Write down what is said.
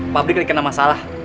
pabrik rekena masalah